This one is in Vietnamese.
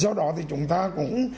do đó thì chúng ta cũng